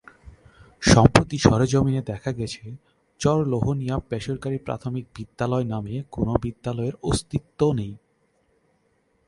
সম্প্রতি সরেজমিনে দেখা গেছে, চরলোহনিয়া বেসরকারি প্রাথমিক বিদ্যালয় নামে কোনো বিদ্যালয়ের অস্তিত্ব নেই।